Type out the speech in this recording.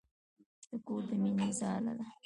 د کور د مينې ځاله ده.